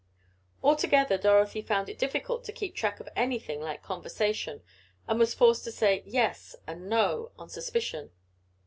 Altogether Dorothy found it difficult to keep track of anything like conversation, and was forced to say "yes" and "no" on suspicion.